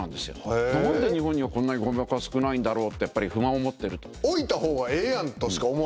何で日本にはごみ箱が少ないんだろうってやっぱり不満を持ってると。